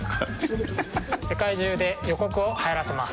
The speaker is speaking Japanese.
世界中でヨコクをはやらせます。